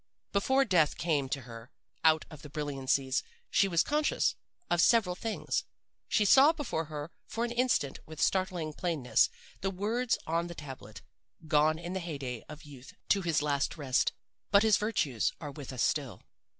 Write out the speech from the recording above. "Before death came to her out of the brilliancies she was conscious of several things. She saw before her eyes for an instant with startling plainness the words on the tablet, 'Gone in the hey day of youth to his last rest. But his virtues are with us still.